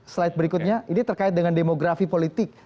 slide berikutnya ini terkait dengan demografi politik